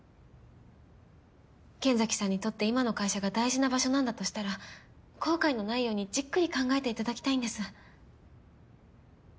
剣崎さんにとって今の会社が大事な場所なんだとしたら後悔のないようにじっくり考えていただきたいんです。